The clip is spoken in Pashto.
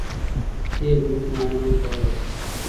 A ګروپ ماهیان هم خوړلی شي.